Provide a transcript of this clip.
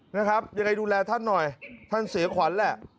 นะครับยังไงดูแลท่านหน่อยท่านเสียขวัญแหละ